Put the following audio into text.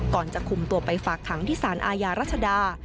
ก่อนจะคุมตัวไปฝากขังที่สารอาญารัชดา